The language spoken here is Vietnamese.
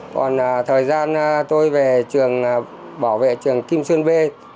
còn thời gian tôi về trường bảo vệ trường kim sơn b